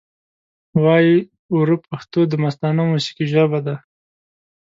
وایې وره پښتو دمستانه موسیقۍ ژبه ده